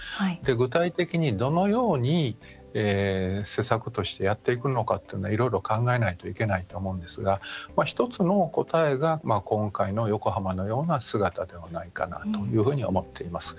具体的に、どのように施策としてやっていくのかをいろいろ考えないといけないんですが１つの答えが、今回の横浜のような姿ではないかなと思っています。